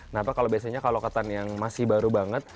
nah pak kalau biasanya kalau ketan yang masih baru banget